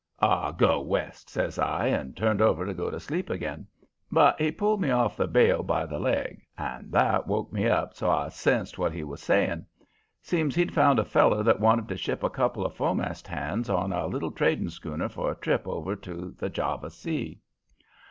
"'Aw, go west!' says I, and turned over to go to sleep again. But he pulled me off the bale by the leg, and that woke me up so I sensed what he was saying. Seems he'd found a feller that wanted to ship a couple of fo'mast hands on a little trading schooner for a trip over to the Java Sea.